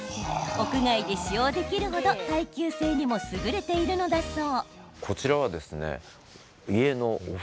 屋外で使用できる程耐久性にも優れているのだそう。